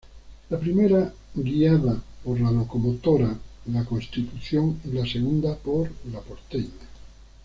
La primera guiada por la locomotora "La Constitución" y la segunda por "La Porteña".